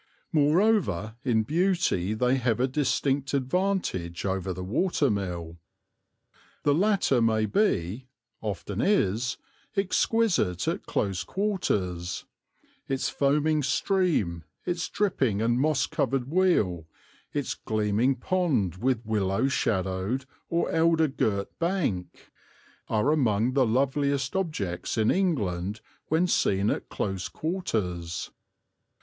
Moreover, in beauty they have a distinct advantage over the watermill. The latter may be, often is, exquisite at close quarters; its foaming stream, its dripping and moss covered wheel, its gleaming pond with willow shadowed or elder girt bank, are among the loveliest objects in England when seen at close quarters.